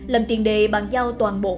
làm tiền để bàn giao toàn bộ